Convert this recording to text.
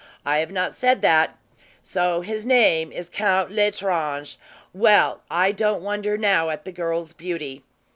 "I have not said that! So his name is Count L'Estrange? Well, I don't wonder now at the girl's beauty."